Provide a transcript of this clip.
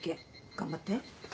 頑張って。